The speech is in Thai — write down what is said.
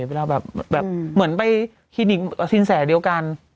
เวลาแบบเหมือนไปคลินิกสินแสเดียวกัน